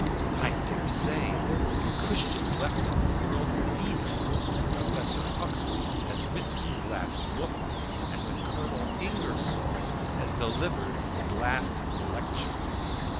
I dare say there will be Christians left in the world even when Professor Huxley has written his last book, and when Colonel Ingersoll has delivered his last lecture.